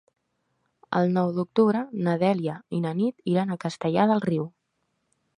El nou d'octubre na Dèlia i na Nit iran a Castellar del Riu.